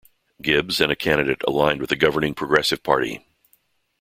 Gibbs and a candidate aligned with the governing Progressive Party.